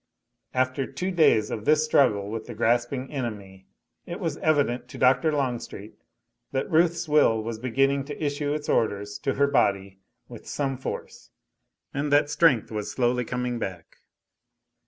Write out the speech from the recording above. After two days of this struggle with the grasping enemy, it was evident to Dr. Longstreet that Ruth's will was beginning to issue its orders to her body with some force, and that strength was slowly coming back.